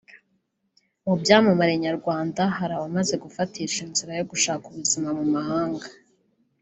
Mu byamamare nyarwanda hari abamaze gufatisha inzira yo gushaka ubuzima mu mahanga